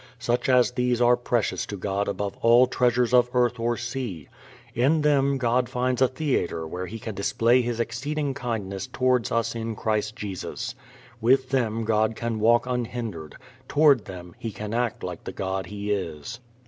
Such as these are precious to God above all treasures of earth or sea. In them God finds a theater where He can display His exceeding kindness toward us in Christ Jesus. With them God can walk unhindered, toward them He can act like the God He is.